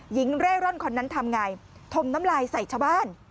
เร่ร่อนคนนั้นทำไงถมน้ำลายใส่ชาวบ้าน